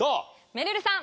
めるるさん